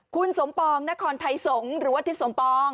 คุณสมปองนครไทยสงฆ์หรือว่าทิศสมปอง